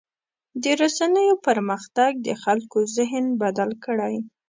د رسنیو پرمختګ د خلکو ذهن بدل کړی.